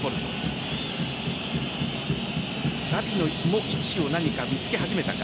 ガヴィの位置を何か見つけ始めたか。